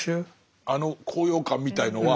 あの高揚感みたいのは。